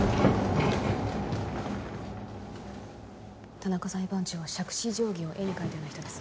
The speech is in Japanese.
田中裁判長は杓子定規を絵に描いたような人です